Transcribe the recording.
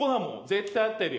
絶対合ってるよ。